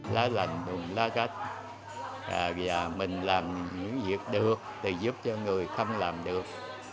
lá lành đùng lá cách mình làm những việc được thì giúp cho người không làm được